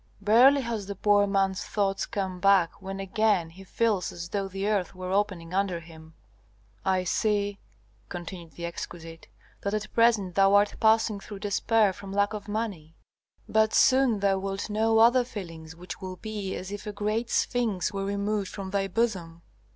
Barely has the poor man's thoughts come back when again he feels as though the earth were opening under him. "I see," continued the exquisite, "that at present thou art passing through despair from lack of money. But soon thou wilt know other feelings which will be as if a great sphinx were removed from thy bosom.